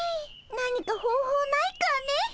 何か方法ないかね。